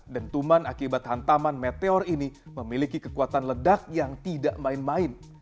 dentuman akibat hantaman meteor ini memiliki kekuatan ledak yang tidak main main